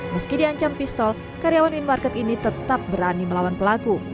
meski diancam pistol karyawan minimarket ini tetap berani melawan pelaku